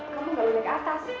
kamu gak boleh naik atas